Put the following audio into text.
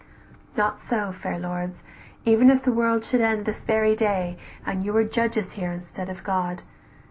……. Not so, fair lords, even if the world should end "This very day, and you were judges here Instead of God.